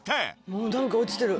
もうなんか落ちてる。